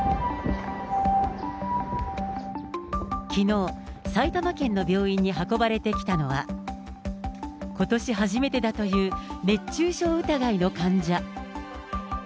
きのう、埼玉県の病院に運ばれてきたのは、ことし初めてだという熱中症疑いの患者。